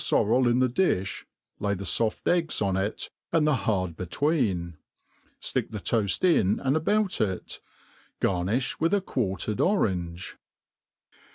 forrel in the ciiih, lay the fott eggs on it, and the hard between; fticfc the toaft in and about ic. Garnifh with quartered orange.